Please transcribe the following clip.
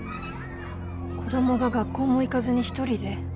子どもが学校も行かずに１人で？